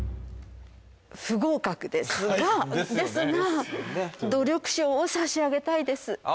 不合格ですがですが努力賞を差し上げたいですああ